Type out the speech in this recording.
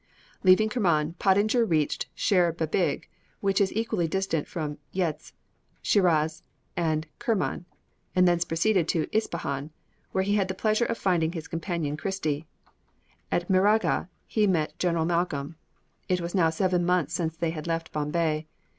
Leaving Kerman, Pottinger reached Cheré Bebig, which is equally distant from Yezd, Shiraz, and Kerman, and thence proceeded to Ispahan, where he had the pleasure of finding his companion Christie. At Meragha he met General Malcolm. It was now seven months since they had left Bombay.